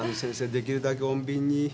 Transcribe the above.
できるだけ穏便に。